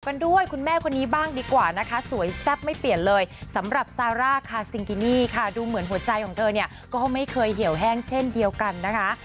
กันด้วยคุณแม่คนนี้บ้างดีกว่านะคะสวยแซ่บไม่เปลี่ยนเลยสำหรับซาร่าคาซิงกินี่ค่ะดูเหมือนหัวใจของเธอเนี่ยก็ไม่เคยเหี่ยวแห้งเช่นเดียวกันนะคะ